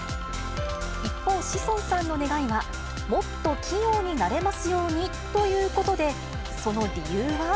一方、志尊さんの願いは、もっと器用になれますようにということで、その理由は。